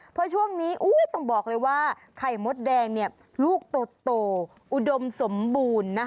เพราะช่วงนี้ต้องบอกเลยว่าไข่มดแดงลูกโตอุดมสมบูรณ์